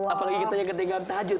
apalagi kita yang ketika kita gak tahajud